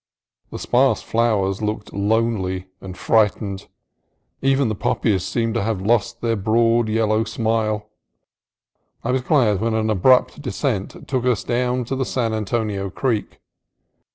The sparse flowers looked lonely and frightened; even the poppies seemed to have lost their broad yellow smile. I was glad when an abrupt descent took us down to the San Antonio Creek.